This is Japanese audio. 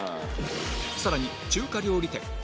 さらに中華料理店